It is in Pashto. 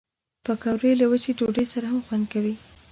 پکورې له وچې ډوډۍ سره هم خوند کوي